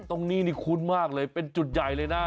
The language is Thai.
ตรงนี้นี่คุ้นมากเลยเป็นจุดใหญ่เลยนะ